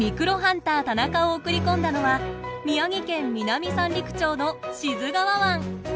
★タナカを送り込んだのは宮城県南三陸町の志津川湾。